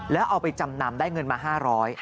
แล้วเอาไปจำนำได้เงินมา๕๐๐บาท